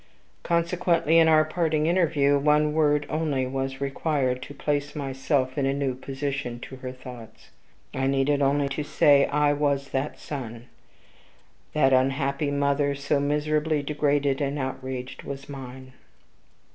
Consequently, in our parting interview, one word only was required to place myself in a new position to her thoughts. I needed only to say I was that son; that unhappy mother, so miserably degraded and outraged, was mine.